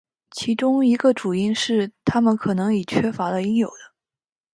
其中一个主因是它们可能已缺乏了应有的。